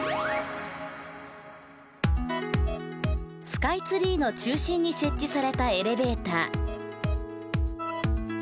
スカイツリーの中心に設置されたエレベーター。